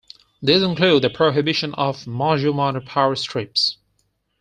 These include the prohibition of module-mounted power strips.